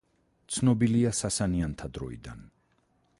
ცნობილია სასანიანთა დროიდან.